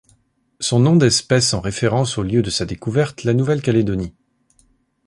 Son nom d'espèce en référence au lieu de sa découverte, la Nouvelle-Calédonie.